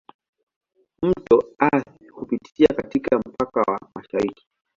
Mto Athi hupitia katika mpaka wa mashariki.